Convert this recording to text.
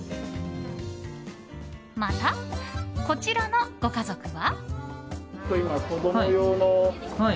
また、こちらのご家族は。